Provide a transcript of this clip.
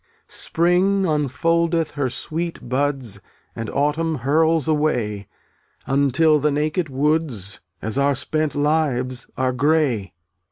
0un<j (ftttt At* Spring unfoldeth her sweet buds rl And autumn hurls away, (jvC' Until the naked woods, As our spent lives, are gray.